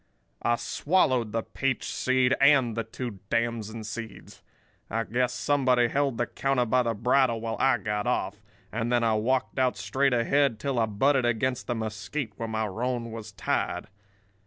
"I swallowed the peach seed and the two damson seeds. I guess somebody held the counter by the bridle while I got off; and then I walked out straight ahead till I butted against the mesquite where my roan was tied.